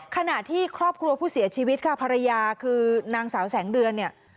ขณะที่ครอบครัวผู้เสียชีวิตค่ะภรรยาคือนางสาวแสงเดือนเนี่ย